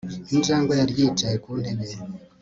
Injangwe yari yicaye ku ntebe